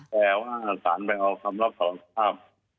แต่ว่าสารไปเอาคำรับสารภาพ